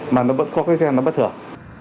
mà nó vẫn có cái gen nó bất thường